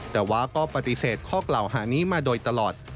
แต่ว่าก็ปฏิเสธข้อกล่าวหานี้มาโดยตลอด